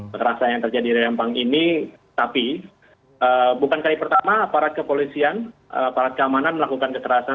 kekerasan yang terjadi di rempang ini tapi bukan kali pertama aparat kepolisian aparat keamanan melakukan kekerasan